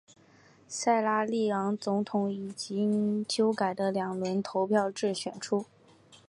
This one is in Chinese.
塞拉利昂总统以经修改的两轮投票制选出。